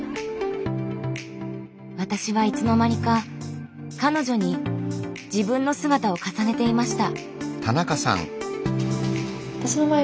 私はいつの間にか彼女に自分の姿を重ねていました。